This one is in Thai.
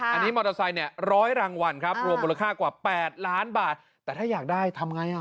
อันนี้มอเตอร์ไซค์เนี่ยร้อยรางวัลครับรวมมูลค่ากว่า๘ล้านบาทแต่ถ้าอยากได้ทำไงอ่ะ